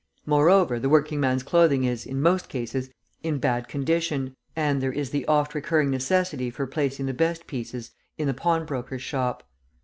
Moreover, the working man's clothing is, in most cases, in bad condition, and there is the oft recurring necessity for placing the best pieces in the pawnbroker's shop.